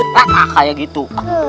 rata kayak gitu